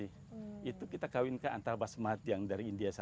itu kita kawinkan antara basmati yang dari india